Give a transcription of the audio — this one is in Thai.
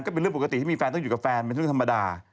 ก็เป็นเรื่องปกติที่มีแฟนต้องอยู่กับแฟนเป็นเรื่องธรรมดา